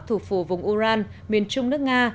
thủ phủ vùng uran miền trung nước nga